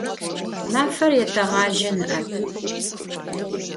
Mafer yêteğaje nı'ep.